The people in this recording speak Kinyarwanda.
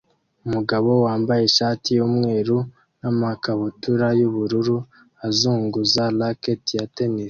Umugabo wambaye ishati yumweru namakabutura yubururu azunguza racket ya tennis